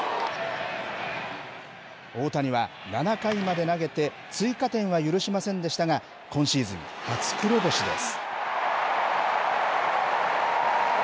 大谷は７回まで投げて、追加点は許しませんでしたが、今シーズン、初黒星です。